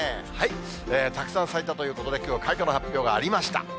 たくさん咲いたということで、きょう、開花の発表がありました。